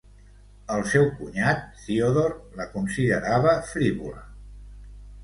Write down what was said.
El seu cunyat Theodore la considerava frívola.